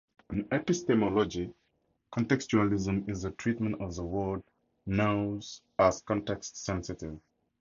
In epistemology, contextualism is the treatment of the word 'knows' as context-sensitive.